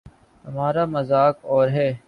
ہمارامزاج اور ہے۔